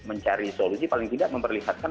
mencari solusi paling tidak memperlihatkan